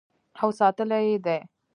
او ساتلی یې دی.